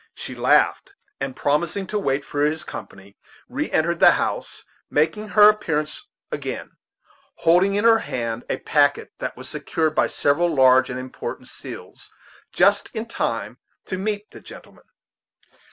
She laughed, and promising to wait for his company re entered the house, making her appearance again, holding in her hand a packet that was secured by several large and important seals, just in time to meet the gentleman.